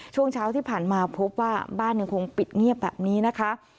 ช่วงเช้าที่ผ่านมาพบว่าบ้านยังคงปิดเงียบแบบนี้นะคะ